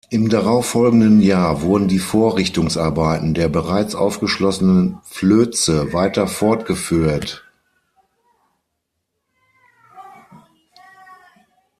Im darauffolgenden Jahr wurden die Vorrichtungsarbeiten der bereits aufgeschlossenen Flöze weiter fortgeführt.